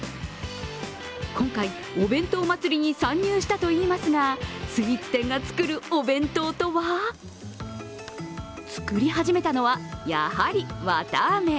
今回、おべんとう祭りに参入したといいますがスイーツ店が作るお弁当とは作り始めたのは、やはり、わたあめ。